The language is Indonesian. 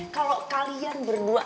kalo kalian berdua